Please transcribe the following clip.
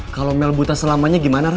kalo mel buta selamanya gimana ren